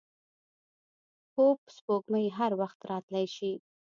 پوپ سپوږمۍ هر وخت راتلای شي.